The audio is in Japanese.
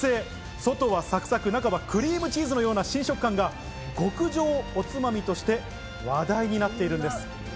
外はサクサク、中はクリームチーズのような新食感が極上おつまみとして話題になっているんです。